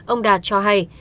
ông đạt cho hay